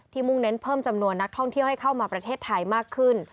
มุ่งเน้นเพิ่มจำนวนนักท่องเที่ยวให้เข้ามาประเทศไทยมากขึ้น